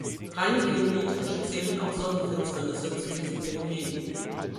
Rein geometrisch zählen auch Sonnenfinsternisse zu diesen Phänomenen.